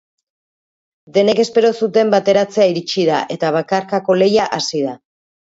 Denek espero zuten bateratzea iritsi da eta bakarkako lehia hasi da.